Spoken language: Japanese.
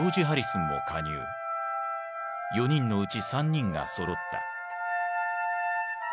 ４人のうち３人がそろった。